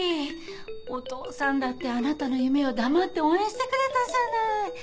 お父さんだってあなたの夢を黙って応援してくれたじゃない。